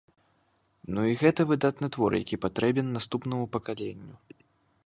Ну, і гэта выдатны твор, які патрэбен наступнаму пакаленню.